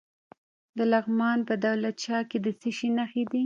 د لغمان په دولت شاه کې د څه شي نښې دي؟